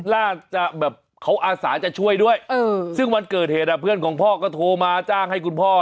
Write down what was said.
น่าจะแบบเขาอาสาจะช่วยด้วยซึ่งวันเกิดเหตุเพื่อนของพ่อก็โทรมาจ้างให้คุณพ่อ